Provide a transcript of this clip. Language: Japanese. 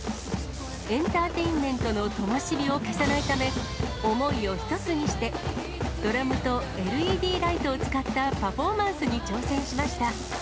エンターテインメントの灯を消さないため、想いを一つにして、ドラムとＬＥＤライトを使ったパフォーマンスに挑戦しました。